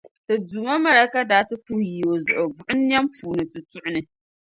Ti duuma malaika daa ti puhi yi o zuɣu buɣim niɛm puuni tutuɣu ni.